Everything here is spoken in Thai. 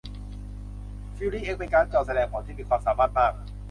ฟิวรี่เอ็กซ์เป็นการ์ดจอแสดงผลที่มีความสามารถมาก